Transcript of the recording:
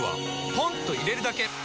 ポンと入れるだけ！